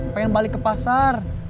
pengen balik ke pasar